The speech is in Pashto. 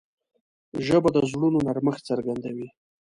ژبه د زړونو نرمښت څرګندوي